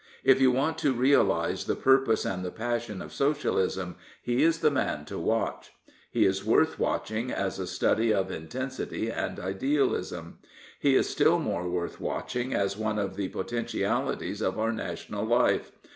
If you want to realise the purpose and the passion of Socialism, he is the man to watch. He is worth watching as a study of intensity and idealism. He is still more worth watching as one of the potentiali ties of our national life.